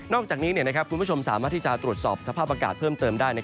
อกจากนี้คุณผู้ชมสามารถที่จะตรวจสอบสภาพอากาศเพิ่มเติมได้